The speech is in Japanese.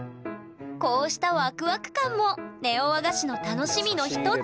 こうしたワクワク感もネオ和菓子の楽しみの一つ！